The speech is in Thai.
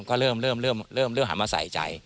ก็เริ่มหันมาใส่ใจ